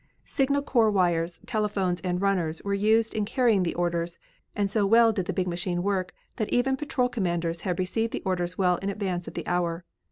Signal corps wires, telephones and runners were used in carrying the orders and so well did the big machine work that even patrol commanders had received the orders well in advance of the hour.